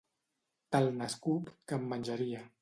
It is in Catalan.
Tal n'escup que en menjaria.